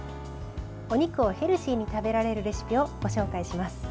お肉をヘルシーに食べられるレシピをご紹介します。